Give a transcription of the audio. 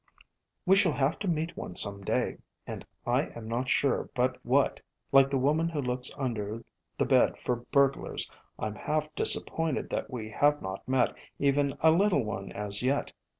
We shall have to meet one some day, and I am not sure but what, like the woman who looks under the bed for burglars, I 'm half disappointed that we have not met even a little one as yet.